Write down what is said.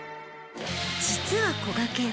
実はこがけん